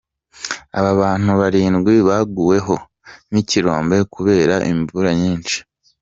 Aba bantu barindwi baguweho n’ikirombe kubera imvura nyinshi.